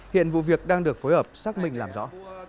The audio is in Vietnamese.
hiện vụ việc đang được phối hợp xác minh làm rõ